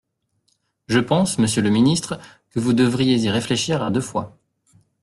Je pense, monsieur le ministre, que vous deviez y réfléchir à deux fois.